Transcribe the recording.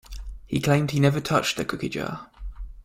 He claimed he never touched the cookie jar.